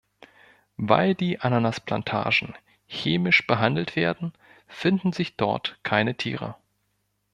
Weil die Ananas-Plantagen chemisch behandelt werden, finden sich dort keine Tiere.